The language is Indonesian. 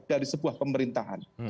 dari sebuah pemerintahan